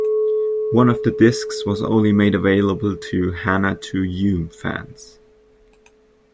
One of the discs was only made available to "Hana to Yume" fans.